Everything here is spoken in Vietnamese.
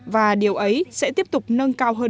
và điều ấy sẽ tiếp tục nâng cao hơn